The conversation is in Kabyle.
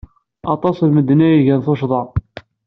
Aṭas n medden ay igan tuccḍa-a.